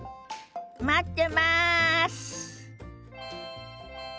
待ってます！